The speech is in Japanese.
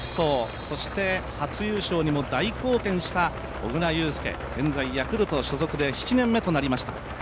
そして初優勝にも大貢献した小椋裕介、現在ヤクルト所属で７年目となりました。